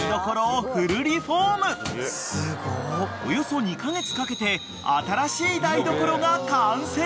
［およそ２カ月かけて新しい台所が完成！］